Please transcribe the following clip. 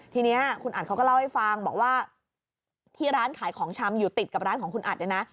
ทีนี้คุณอัดเขาก็เล่าให้ฟังบอกว่าที่ร้านขายของชำอยู่ติดกับร้านของคุณอัดเนี่ยนะ